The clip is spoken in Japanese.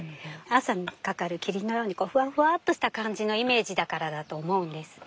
朝にかかる霧のようにこうふわふわっとした感じのイメージだからだと思うんです。